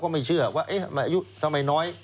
ไม่เชื่อว่าอายุทำไมน้อย